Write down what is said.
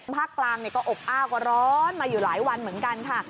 ภาคกลางก็อบอ้าวก็ร้อนมาอยู่หลายวันเหมือนกันค่ะ